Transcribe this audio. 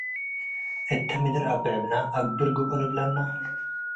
እተ ምድር አብዕብነ አግብር ግብኦ ልብለነ